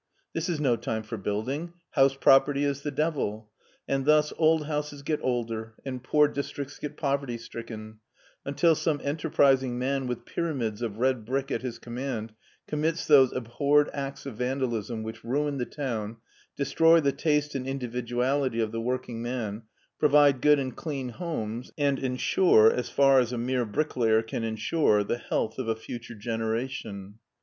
" This is no time for building. House property is the devil "; and thus old houses get older, and poor districts get poverty stricken, until some enterprising man with pyramids of red brick at his command commits those abhorred acts of vandalism which ruin the town, de stroy the taste and individuality of the working man, provide good and clean homes and ensure, as far as a mere bricklayer can ensure, the health of a future generation.